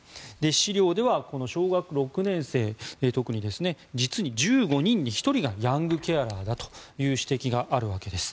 資料では小学６年生１５人に１人がヤングケアラーだという指摘があるわけです。